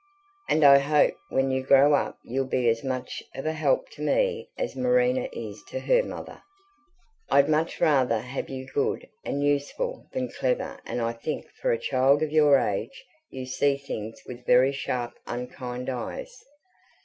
AND I HOPE WHEN YOU GROW UP YOU'LL BE AS MUCH OF A HELP TO ME AS MARINA IS TO HER MOTHER. I'D MUCH RATHER HAVE YOU GOOD AND USEFUL THAN CLEVER AND I THINK FOR A CHILD OF YOUR AGE YOU SEE THINGS WITH VERY SHARP UNKIND EYES.